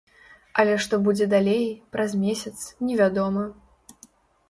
Але што будзе далей, праз месяц, невядома.